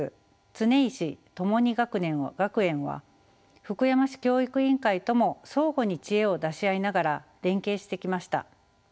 常石ともに学園は福山市教育委員会とも相互に知恵を出し合いながら連携してきました。